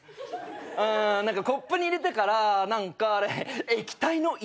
うーん何かコップに入れてから何かあれ液体の色を。